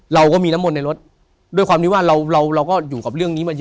เราก็มีน้ำมนต์ในรถด้วยความที่ว่าเราเราก็อยู่กับเรื่องนี้มาเยอะ